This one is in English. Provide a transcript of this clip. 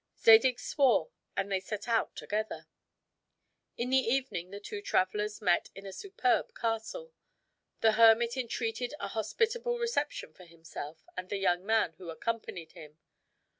Zadig swore, and they set out together. In the evening the two travelers arrived in a superb castle. The hermit entreated a hospitable reception for himself and the young man who accompanied him.